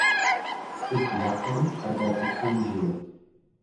Z těchto základů čerpal po celý život.